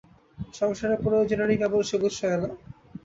সংসারে প্রয়োজনেরই কেবল সবুর সয় না!